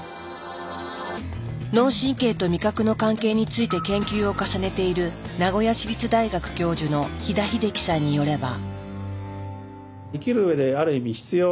脳神経と味覚の関係について研究を重ねている名古屋市立大学教授の飛田秀樹さんによれば。